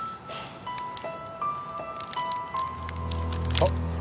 あっ。